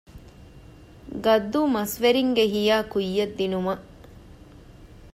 ގައްދޫ މަސްވެރިންގެ ހިޔާ ކުއްޔަށް ދިނުމަށް